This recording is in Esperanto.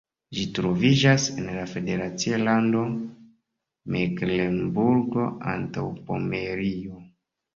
Ĝi troviĝas en la federacia lando Meklenburgo-Antaŭpomerio.